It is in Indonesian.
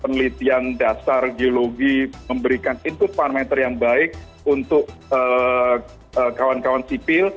penelitian dasar geologi memberikan input parameter yang baik untuk kawan kawan sipil